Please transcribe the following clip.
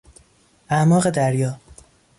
اعماق دریا